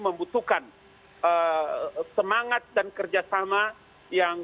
membutuhkan semangat dan kerjasama yang